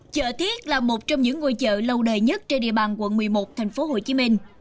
chợ thiết là một trong những ngôi chợ lâu đời nhất trên địa bàn quận một mươi một thành phố hồ chí minh